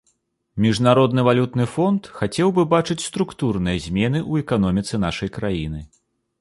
Міжнародны валютны фонд хацеў бы бачыць структурныя змены ў эканоміцы нашай краіны.